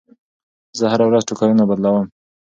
زه هره ورځ ټوکرونه بدلوم.